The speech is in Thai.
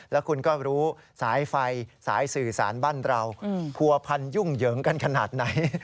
แล้วคุณก็รู้สายไฟสายสื่อสารบ้านเราผัวพันยุ่งเหยิงกันขนาดไหน